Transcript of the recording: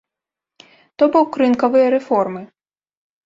То бок, рынкавыя рэформы.